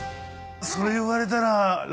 それ言われたら。